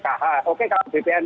tetapi ada di situ tidak ada bpkt